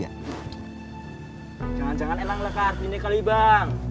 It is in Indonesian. jangan jangan elang leka artinya kali bang